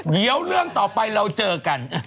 เดี๋ยวเรื่องต่อไปเราเจอกัน